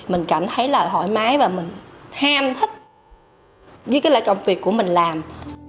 mình cảm thấy là thoải mái và mình ham thích với cái loại công việc của mình làm